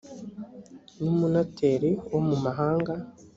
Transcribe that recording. n umunoteri wo mu mahanga